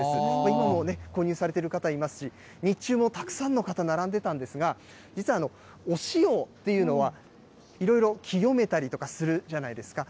今も、購入されている方いますし、日中もたくさんの方、並んでたんですが、実は、お塩っていうのは、いろいろ清めたりとかするじゃないですか。